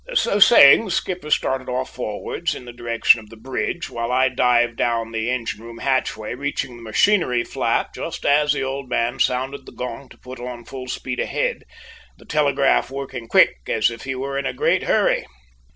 So saying, the skipper started off forwards in the direction of the bridge, while I dived down the engine room hatchway, reaching the machinery flat just as the "old man" sounded the gong to put on full speed ahead, the telegraph working quick as if he were in a great hurry!